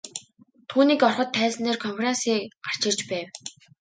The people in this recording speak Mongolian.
Түүнийг ороход тайзан дээр КОНФЕРАНСЬЕ гарч ирж байв.